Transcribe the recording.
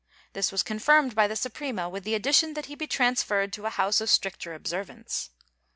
This was confirmed by the Suprema, with the addition that he be transferred to a house of stricter observance.